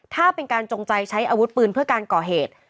ถ้าเป็นการจงใจใช้อาวุธปืนเพื่อการก่อเหตุ